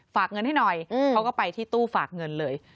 ฝากเงินให้หน่อยเขาก็ไปที่ตู้ฝากเงินเลย